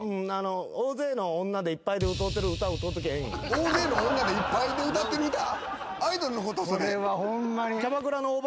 「大勢の女でいっぱいで歌ってる歌」！？え！？